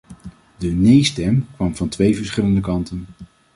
De 'nee' stem kwam van twee verschillende kanten.